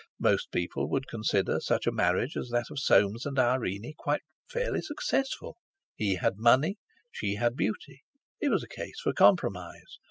Most people would consider such a marriage as that of Soames and Irene quite fairly successful; he had money, she had beauty; it was a case for compromise.